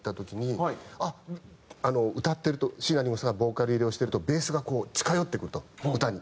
歌ってると椎名林檎さんがボーカル入れをしてるとベースがこう近寄ってくると歌に。